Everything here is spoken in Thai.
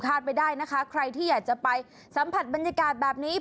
ไปได้นะคะใครที่อยากจะไปสัมผัสบรรยากาศแบบนี้